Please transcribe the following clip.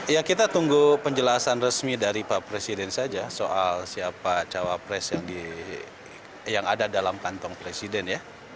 ya kita tunggu penjelasan resmi dari pak presiden saja soal siapa cawapres yang ada dalam kantong presiden ya